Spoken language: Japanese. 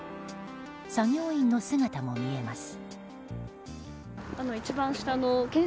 作業員の姿も見えます。